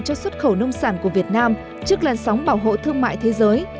cho xuất khẩu nông sản của việt nam trước làn sóng bảo hộ thương mại thế giới